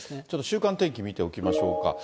ちょっと週間天気、見ておきましょうか。